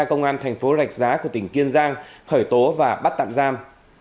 công an tp rạch giá của tỉnh kiên giang khởi tố và bắt tạm giam